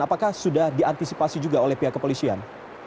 apakah sudah diantisipasi juga oleh pihak kepolisian